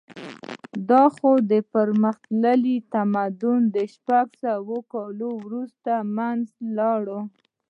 خو دا پرمختللی تمدن شپږ سوه کاله وروسته له منځه لاړ